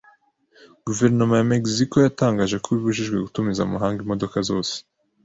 Guverinoma ya Mexico yatangaje ko ibujijwe gutumiza mu mahanga imodoka zose